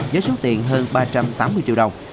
với số tiền hơn ba trăm tám mươi triệu đồng